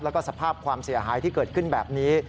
แล้วก็สภาพความเสียหายที่เกิดขึ้นแบบนี้